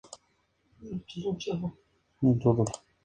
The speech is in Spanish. Bajo la dirección del productor y director Jean Louis Jorge.